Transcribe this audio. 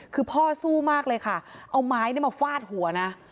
คือพ่อสู้มากเลยค่ะเอาไม้มาฟาดหัวนะ